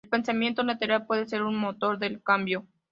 El pensamiento lateral puede ser un motor del cambio.